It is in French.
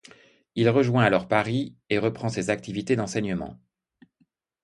Il rejoint alors Paris et reprend ses activités d'enseignement.